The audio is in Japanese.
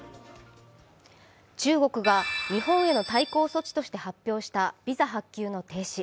中国が日本への対抗措置として発表したビザ発給の停止。